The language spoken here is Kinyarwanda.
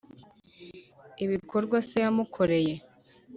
ibikorwa se yamukoreye.